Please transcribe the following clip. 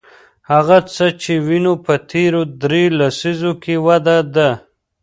هغه څه چې وینو په تېرو درې لسیزو کې وده ده.